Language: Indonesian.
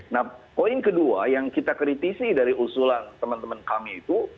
nah poin kedua yang kita kritisi dari usulan teman teman kami itu